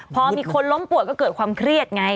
พอมีคนล้มป่วยก็เกิดความเครียดไง